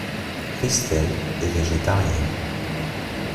Kristel est végétarienne.